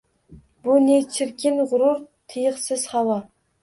Bu ne chirkin g‘urur, tiyiqsiz havo